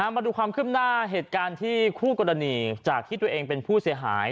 มาดูความขึ้นหน้าเหตุการณ์ที่คู่กรณีจากที่ตัวเองเป็นผู้เสียหาย